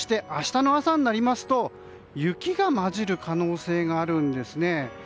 そして明日の朝になりますと雪が交じる可能性があるんですね。